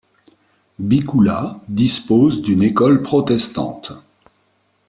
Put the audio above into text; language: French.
Bikoula dispose d'une école protestante.